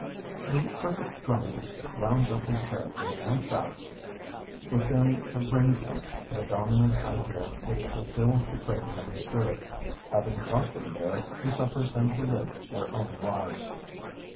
The perfect dramatist rounds up his characters and facts within the ring fence of a dominant idea which fulfils the craving of his spirit; having got them there, he suffers them to live their own lives.